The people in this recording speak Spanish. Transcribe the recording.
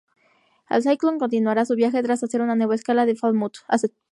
La "Cyclone" continuaría su viaje, tras hacer una nueva escala en Falmouth, hasta Chile.